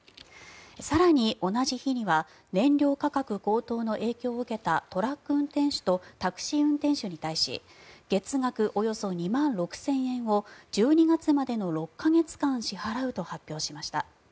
更に、同じ日には燃料価格高騰の影響を受けたトラック運転手とタクシー運転手に対し月額およそ２万６０００円を１２月までの６か月間支払うと発表しました。